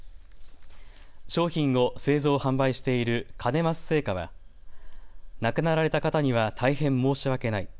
商品を製造・販売しているカネ増製菓は亡くなられた方には大変申し訳ない。